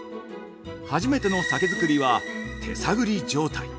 初めての酒造りは、手探り状態。